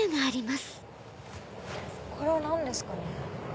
これ何ですかね？